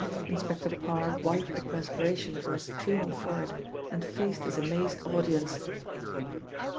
Inspector Parr wiped the perspiration from his streaming forehead, and faced his amazed audience.